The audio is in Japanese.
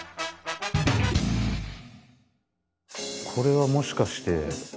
これはもしかして。